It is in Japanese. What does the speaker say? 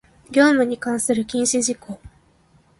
業務に関する禁止事項